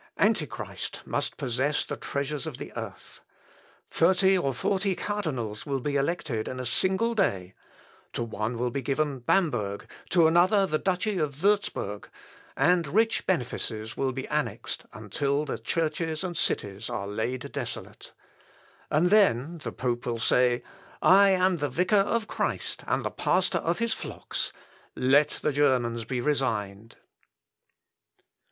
Antichrist must possess the treasures of the earth. Thirty or forty cardinals will be elected in a single day; to one will be given Bamberg, to another the duchy of Wurtzburg, and rich benefices will be annexed until the churches and cities are laid desolate. And then the pope will say, 'I am the vicar of Christ, and the pastor of his flocks. Let the Germans be resigned.'"